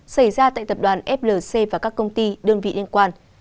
xảy ra tại tập đoàn flc và các công ty đơn vị liên quan